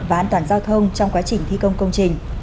và an toàn giao thông trong quá trình thi công công trình